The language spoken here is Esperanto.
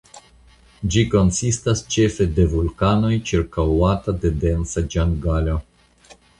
Ĝi konsistas ĉefe de vulkanoj ĉirkaŭata de densa ĝangalo.